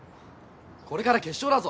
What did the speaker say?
これから決勝だぞ。